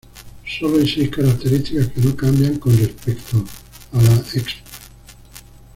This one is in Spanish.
Sólo hay seis características que no cambian con respecto a las exp.